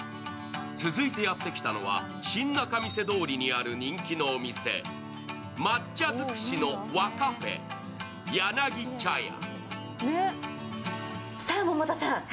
続いてやってきたのは、新仲見世通りにある人気のお店、抹茶尽くしの和カフェやなぎ茶屋。